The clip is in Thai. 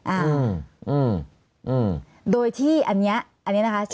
อ่าอืมโดยที่อันนี้อันนี้นะคะ